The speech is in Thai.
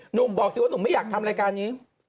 บอกสิว่าหนุ่มไม่อยากทำรายการนี้